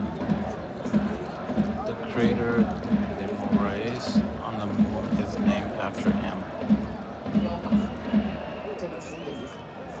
The crater De Moraes on the Moon is named after him.